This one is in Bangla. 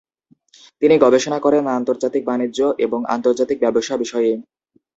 তিনি গবেষণা করেন আন্তর্জাতিক বাণিজ্য এবং আন্তর্জাতিক ব্যবসা বিষয়ে।